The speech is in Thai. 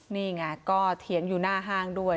นี่ไงก็เถียงอยู่หน้าห้างด้วย